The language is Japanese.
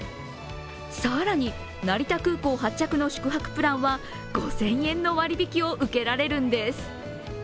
更に、成田空港発着の宿泊プランは５０００円の割引を受けられるんです。